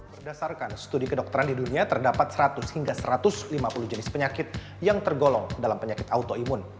berdasarkan studi kedokteran di dunia terdapat seratus hingga satu ratus lima puluh jenis penyakit yang tergolong dalam penyakit autoimun